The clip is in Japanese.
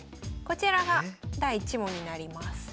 こちらが第１問になります。